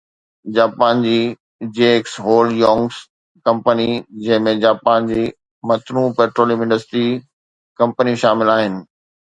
Japan جي JX Hold Youngs company, جنهن ۾ Japan جي متنوع پيٽروليم انڊسٽري ڪمپنيون شامل آهن